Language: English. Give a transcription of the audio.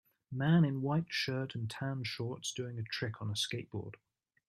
Man in white shirt and tan shorts doing a trick on a skateboard.